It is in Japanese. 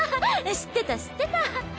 知ってた知ってた。